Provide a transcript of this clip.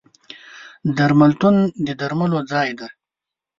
درملتون د درملو ځای دی.